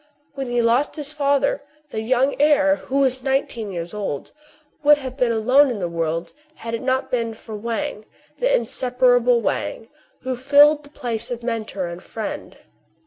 When he lost his father, the young heir, who was nineteen years old, would have been alone in the world, had it not been for Wang, the insepara ble Wang, who filled the place of mentor and friend.